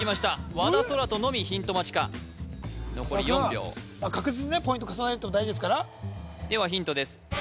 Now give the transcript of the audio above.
和田空大のみヒント待ちか残り４秒確実にねポイント重ねるのも大事ですではヒントです